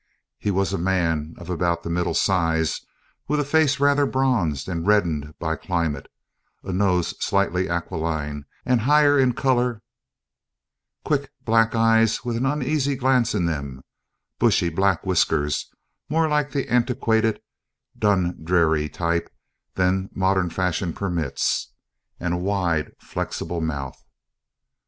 He was a man of about the middle size, with a face rather bronzed and reddened by climate, a nose slightly aquiline and higher in colour, quick black eyes with an uneasy glance in them, bushy black whiskers, more like the antiquated "Dundreary" type than modern fashion permits, and a wide flexible mouth.